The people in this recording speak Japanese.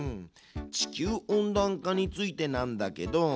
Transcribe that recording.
地球温暖化についてなんだけど。